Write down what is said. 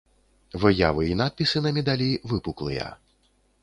Выявы і надпісы на медалі выпуклыя.